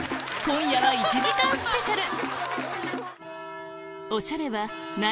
今夜は１時間スペシャル！